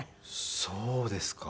そうですか。